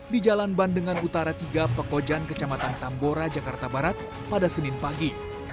di jalan bandengan utara tiga pekojan kecamatan tambora jakarta barat pada senin pagi